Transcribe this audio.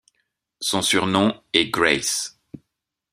Son surnom est Grâce.